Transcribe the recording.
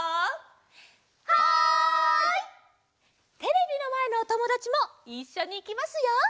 テレビのまえのおともだちもいっしょにいきますよ！